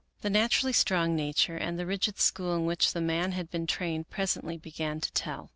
The naturally strong nature and the rigid school in which the man had been trained presently began to tell.